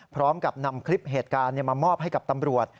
พร้อมกับนำคลิปเหตุการณ์มามอบให้กับตำรวจ